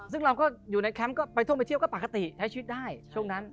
ซึ่งเราก็อยู่ในแคมป์ก็ไปท่องไปเที่ยวก็ปกติใช้ชีวิตได้ช่วงนั้น